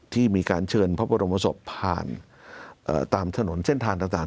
ที่มีการเชิญพระบรมภรรชวังผ่านตามถนนเส้นทาง